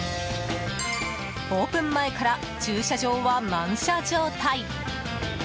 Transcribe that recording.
オープン前から駐車場は満車状態。